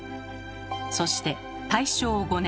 そして大正５年。